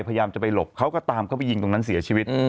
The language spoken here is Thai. พยายามจะไปหลบเขาก็ตามเข้าไปยิงตรงนั้นเสียชีวิต